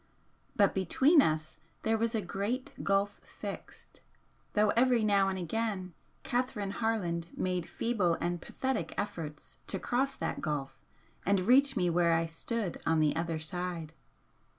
But between us there was 'a great gulf fixed,' though every now and again Catherine Harland made feeble and pathetic efforts to cross that gulf and reach me where I stood on the other side.